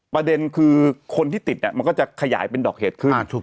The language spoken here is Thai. ประเด็นคือคนที่ติดมันก็จะขยายเป็นดอกเหตุขึ้น